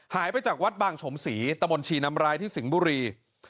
หายไปจากวัดบางฉมศรีตะมนต์ชีนำรายที่สิงห์บุรี